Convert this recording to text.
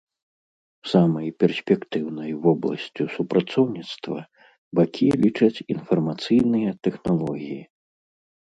Самай перспектыўнай вобласцю супрацоўніцтва бакі лічаць інфармацыйныя тэхналогіі.